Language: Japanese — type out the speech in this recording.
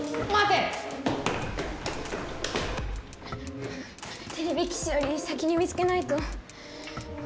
てれび騎士より先に見つけないと。